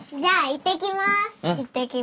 行ってきます！